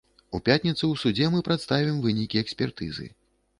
У пятніцу ў судзе мы прадставім вынікі экспертызы.